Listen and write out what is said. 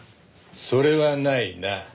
それはないな。